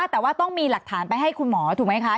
แต่ว่าต้องมีหลักฐานไปให้คุณหมอถูกไหมคะ